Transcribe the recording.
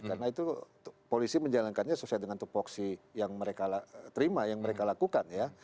karena itu polisi menjalankannya sesuai dengan topoksi yang mereka terima yang mereka lakukan ya